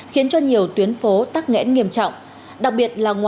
khiến cho nhiều tuyến phố tắc nghẽn nghiêm trọng